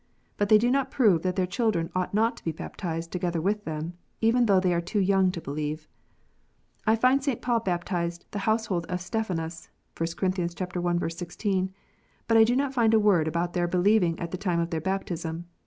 But they do not prove that their children ought not to be baptized together with them, even though they are too young to believe. I find St. Paul baptized "the household of Stephanas " (1 Cor. i. 16) ; but I do not find a word about their believing at the time of their baptism.